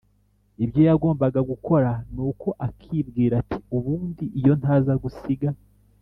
ibyo yagombaga gukora. nuko akibwira ati: "ubundi iyo ntaza gusiga